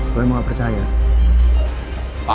gue mau gak percaya